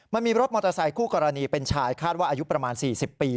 มันมีรถมอเตอร์ไซคู่กรณีเป็นชายคาดว่าอายุประมาณ๔๐ปี